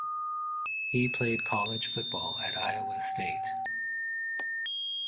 He played college football at Iowa State.